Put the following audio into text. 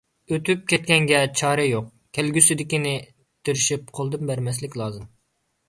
ئۆتۈپ كەتكەنگە چارە يوق، كەلگۈسىدىكىنى تىرىشىپ قولدىن بەرمەسلىك لازىم.